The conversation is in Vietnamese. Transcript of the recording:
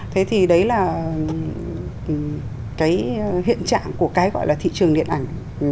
thế thì đấy là cái hiện trạng của cái gọi là thị trường điện ảnh